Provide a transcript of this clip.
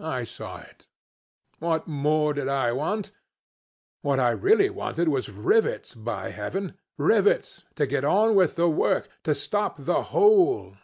I saw it. What more did I want? What I really wanted was rivets, by heaven! Rivets. To get on with the work to stop the hole.